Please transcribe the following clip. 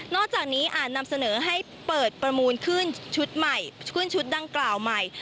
นอกจากนี้อาจนำเสนอให้เปิดประมูลขึ้นชุดดังกล่าวใหม่